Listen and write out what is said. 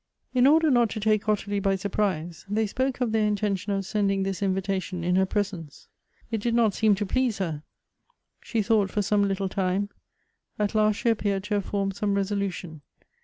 In order not to take Ottilie by surprise, they spoke of their intention of sending this invitation in her presence. It did not seem to please her ; she thought for some little time ; at last she appeared to have formed some resolu tion.